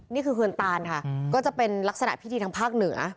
นี่คือเหินตานค่ะก็จะเป็นลักษณะพิธีทางภาคเหนือ